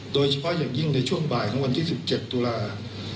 โดยเฉพาะอย่างยิ่งในช่วงบ่ายของวันที่๑๗ตุลาคม